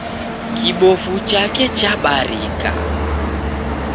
Kibofu chake chabarika